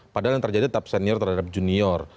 padahal yang terjadi tetap senior terhadap junior